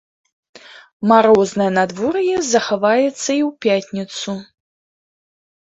Марознае надвор'е захаваецца і ў пятніцу.